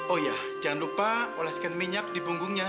oh ya jangan lupa oleskan minyak di punggungnya